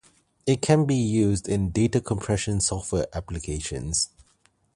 It can be used in data compression software applications.